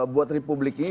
buat republik ini